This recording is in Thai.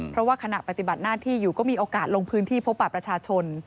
เพราะว่าขณะปฏิบัติหน้าที่อยู่ก็มีโอกาสลงพื้นที่พบประชาชน